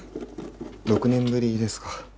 ６年ぶりですか。